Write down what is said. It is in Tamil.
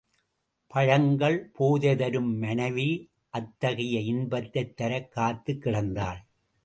பழங்கள் போதை தரும், மனைவி அத்தகைய இன்பத்தைத் தரக் காத்துக் கிடந்தாள்.